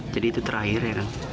itu terakhir ya kan